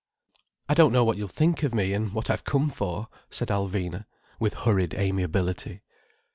"I don't know what you'll think of me, and what I've come for," said Alvina, with hurried amiability.